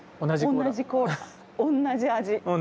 同じ味。